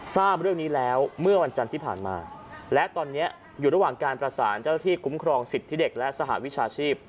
ทราบเรื่องนี้แล้วเมื่อวันจันทร์ที่ผ่านมาและตอนนี้อยู่ระหว่างการประสานเจ้าที่คุ้มครองสิทธิเด็กและสหวิชาชีพ